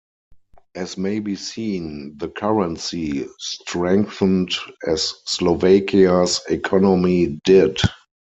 As may be seen, the currency strengthened as Slovakia's economy did.